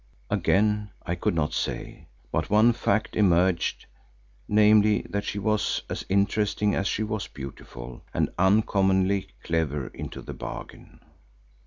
Again, I could not say, but one fact emerged, namely that she was as interesting as she was beautiful, and uncommonly clever into the bargain.